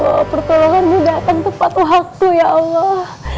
ya allah pertolonganmu datang tepat waktu ya allah